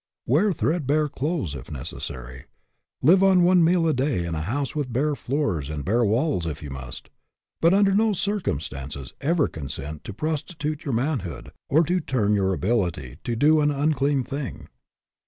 Wear threadbare clothes, if necessary; live on one meal a day in a house with bare floors and bare walls, if you must ; but under no cir cumstances ever consent to prostitute your manhood, or to turn your ability to do an un clean thing.